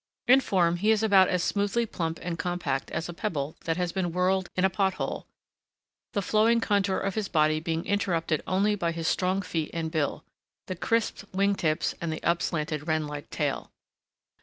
In form he is about as smoothly plump and compact as a pebble that has been whirled in a pot hole, the flowing contour of his body being interrupted only by his strong feet and bill, the crisp wing tips, and the up slanted wren like tail.